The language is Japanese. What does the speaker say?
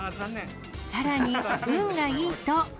さらに運がいいと。